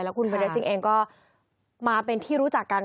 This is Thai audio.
คุณเบนเรสซิ่งเองก็มาเป็นที่รู้จักกัน